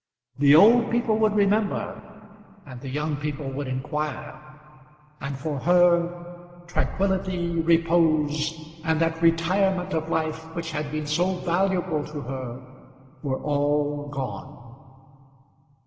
The old people would remember and the young people would inquire; and, for her, tranquillity, repose, and that retirement of life which had been so valuable to her, were all gone.